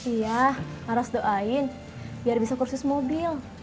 iya harus doain biar bisa kursus mobil